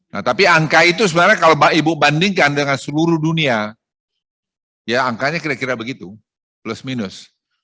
nah tapi angka itu sebenarnya kalau ibu bandingkan dengan seluruh dunia ya angkanya kira kira begitu plus minus